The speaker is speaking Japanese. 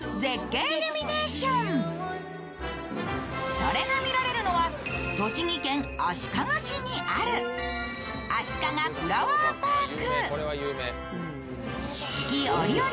それが見られるのは栃木県足利市にある、あしかがフラワーパーク。